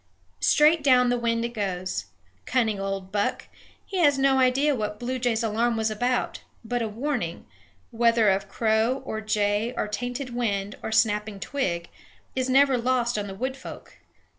Straight down the wind it goes. Cunning old buck! He has no idea what Bluejay's alarm was about, but a warning, whether of crow or jay or tainted wind or snapping twig, is never lost on the wood folk.